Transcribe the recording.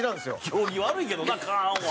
行儀悪いけどなカーン！は。